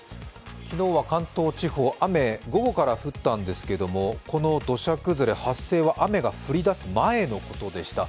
昨日は関東地方、雨、午後から降ったんですけれどもこの土砂崩れ発生は雨が降りだす前のことでした。